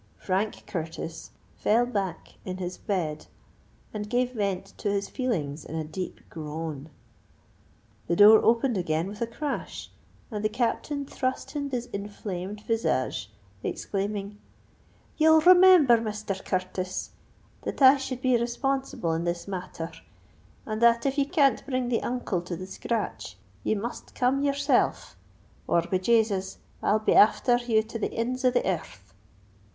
Frank Curtis fell back in his bed, and gave vent to his feelings in a deep groan. The door opened again with a crash; and the Captain thrust in his inflamed visage, exclaiming, "Ye'll remember, Misther Curtis, that I hould ye responsible in this matther; and that if ye can't bring the uncle to the scratch, ye must come yourself; or, be Jasus! I'll be afther ye to the inds of the ear rth!"